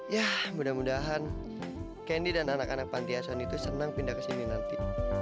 ya mudah mudahan candy dan anak anak panti asuan itu senang pindah kesini nanti